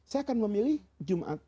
saya akan memilih jumat